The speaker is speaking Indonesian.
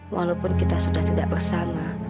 walaupun kita sudah tidak bersama